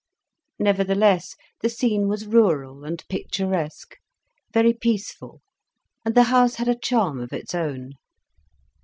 Nevertheless, the scene was rural and picturesque, very peaceful, and the house had a charm of its own.